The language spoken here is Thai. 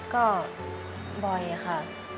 ก็บ่อยค่ะ